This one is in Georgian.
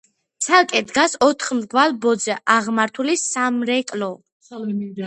ცალკე დგას ოთხ მრგვალ ბოძზე აღმართული სამრეკლო.